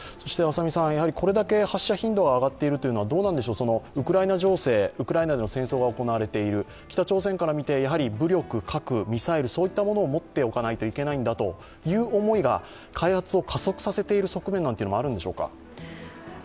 これだけ発射頻度が上がっているというのは、ウクライナ情勢、ウクライナで戦争が行われている、北朝鮮から見て、武力、核、ミサイル、そういったものを持っておかないといけないんだという思いが、開発を加速させている側面もあるんでしょうか？